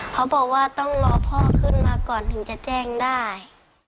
เขาบอกว่าต้องรอพ่อขึ้นมาก่อนถึงจะแจ้งได้